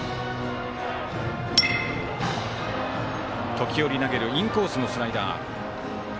時折投げる、インコースのスライダー。